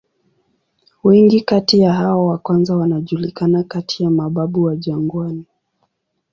Wengi kati ya hao wa kwanza wanajulikana kati ya "mababu wa jangwani".